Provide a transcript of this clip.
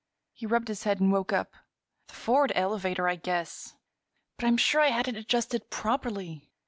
He rubbed his head and woke up. "The forward elevator, I guess. But I'm sure I had it adjusted properly."